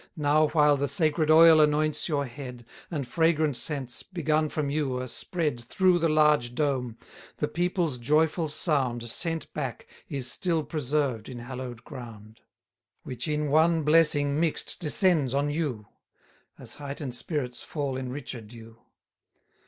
Now while the sacred oil anoints your head, And fragrant scents, begun from you, are spread 60 Through the large dome; the people's joyful sound, Sent back, is still preserved in hallow'd ground; Which in one blessing mix'd descends on you; As heighten'd spirits fall in richer dew.